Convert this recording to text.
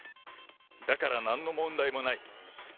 だからなんの問題もない。